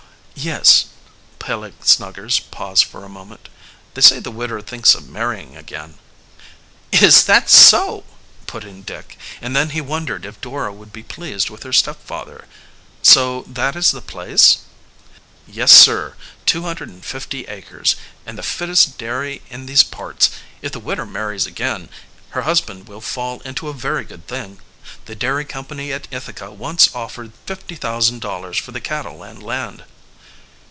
"Yes," Peleg Snuggers paused for a moment. "They say the widder thinks of marrying again." "Is that so!" put in Dick, and then he wondered if Dora would be pleased with her stepfather. "So that is the place?" "Yes, sir; two hundred and fifty acres, and the fittest dairy in these parts. If the widder marries again, her husband will fall into a very good thing. The dairy company at Ithaca once offered fifty thousand dollars for the cattle and land."